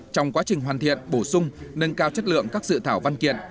trong quá trình hoàn thiện bổ sung nâng cao chất lượng các dự thảo văn kiện